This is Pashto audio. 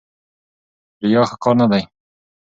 ریا ښه کار نه دی.